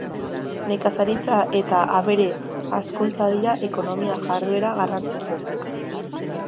Nekazaritza eta abere hazkuntza dira ekonomia jarduera garrantzitsuenak.